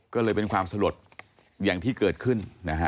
ก็เลยเป็นความสลดอย่างที่เกิดขึ้นนะฮะ